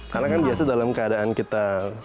karena kan biasanya dalam keadaan kita